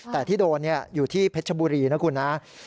แต่ที่โดนอยู่ที่เพชรบุรีนะคุณนะ